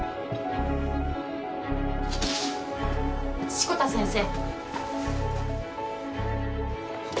・志子田先生。